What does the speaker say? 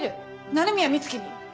鳴宮美月に？